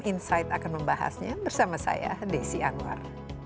insight akan membahasnya bersama saya desi anwar